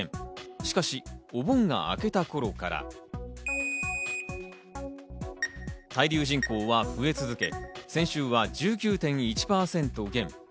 しかし、お盆が明けた頃から滞留人口は増え続け、先週は１９．１％減。